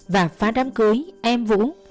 và phá đám cưới em vũ